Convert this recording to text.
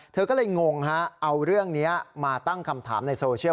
เธอก็เลยงงฮะเอาเรื่องนี้มาตั้งคำถามในโซเชียล